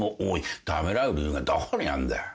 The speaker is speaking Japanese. ためらう理由がどこにあんだよ。